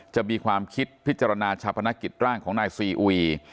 จะมีความคิดพิจารณาชาพนักกิจร่างของนายซีอุย